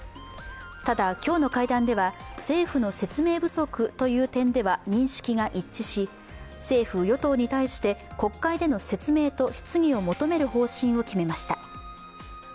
ただ今日の会談では、政府の説明不足という点では認識を一致し、政府・与党に対して国会での説明と質疑を求める方針を決めました。